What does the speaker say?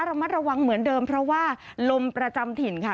ระมัดระวังเหมือนเดิมเพราะว่าลมประจำถิ่นค่ะ